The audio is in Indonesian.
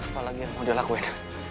apa lagi yang mau dia lakuin